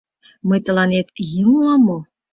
Мый тыланет еҥ улам мо?